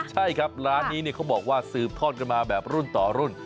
ใช่ครับร้านนี้เขาบอกว่าสืบทอดกันมาแบบรุ่นต่อรุ่น